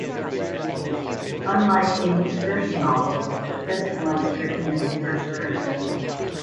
Unlike in his first novel, the present one is written in the first person.